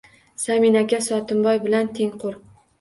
Samin aka Sotimboy bilan tengqur.